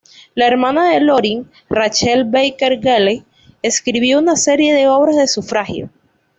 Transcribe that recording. La hermana de Loring, Rachel Baker Gale, escribió una serie de obras de sufragio.